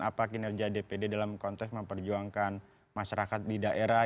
apa kinerja dpd dalam konteks memperjuangkan masyarakat di daerah